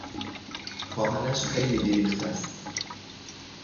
خواهرش خیلی بیریخت است.